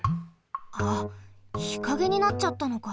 あっ日陰になっちゃったのか。